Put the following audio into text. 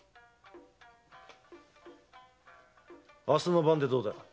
明日の晩でどうだ？